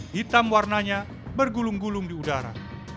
hitam warnanya bergulung gulung di udara